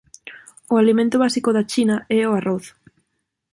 O alimento básico da China é o arroz.